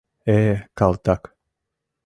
Э, калтак!